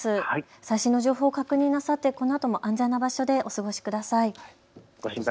最新の情報を確認なさってこのあとも安全な場所でお過ごしください。